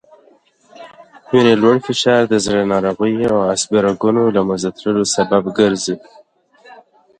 وینې لوړ فشار د زړه ناروغیو او عصبي رګونو له منځه تللو سبب ګرځي